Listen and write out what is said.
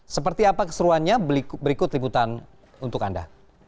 seperti apa keseruannya berikut liputan untuk anda